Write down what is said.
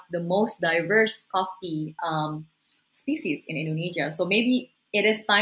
tapi kita memiliki spesies kopi yang paling beragam di indonesia